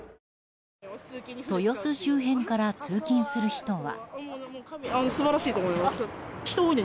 豊洲周辺から通勤する人は。